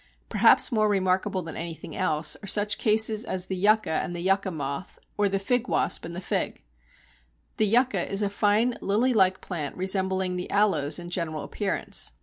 Perhaps more remarkable than anything else are such cases as the Yucca and the Yucca moth or the Fig wasp and the Fig. The Yucca is a fine lily like plant resembling the Aloes in general appearance.